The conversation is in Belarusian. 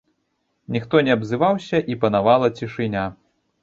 Ніхто не абзываўся, і панавала цішыня.